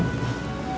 nangis agak eduk sih